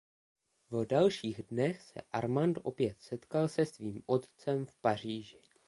V dalších dnech se Armand opět setkal se svým otcem v Paříži.